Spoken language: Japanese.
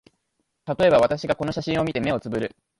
たとえば、私がこの写真を見て、眼をつぶる